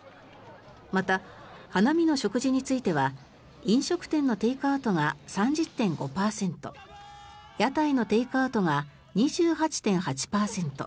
また、花見の食事については飲食店のテイクアウトが３０．５％屋台のテイクアウトが２８．８％